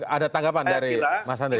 ada tanggapan dari mas andre